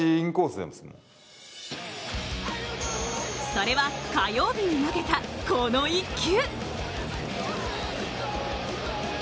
それは火曜日に投げたこの１球。